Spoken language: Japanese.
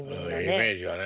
イメージがね。